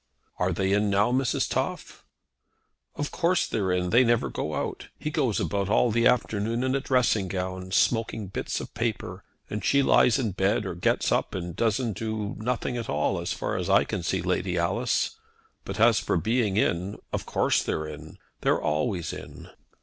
"Are they in now, Mrs. Toff?" "Of course they're in. They never go out. He goes about all the afternoon in a dressing gown, smoking bits of paper, and she lies in bed or gets up and doesn't do, nothing at all, as far as I can see, Lady Alice. But as for being in, of course they're in; they're always in."